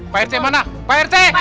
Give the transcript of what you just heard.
pak rt mana pak rt